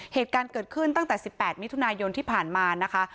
เหตุการณ์เกิดขึ้นตั้งแต่๑๘มิถุนายนที่ผ่านมานะคะ